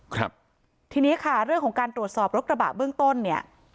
ครับทีนี้ค่ะเรื่องของการตรวจสอบรถกระบะเบื้องต้นเนี่ย